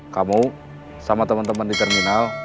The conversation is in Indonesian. kamu sama temen temen di terminal